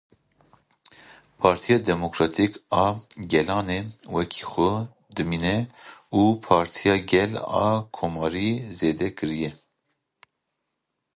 Partiya Demokratîk a Gelanê wekî xwe dimîne û Partiya Gel a Komarî zêde kiriye.